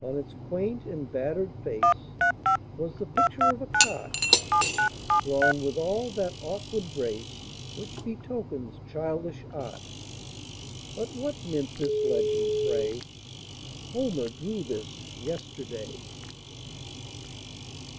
On its quaint and battered face Was the picture of a cart, Drawn with all that awkward grace Which betokens childish art; But what meant this legend, pray: "Homer drew this yesterday?"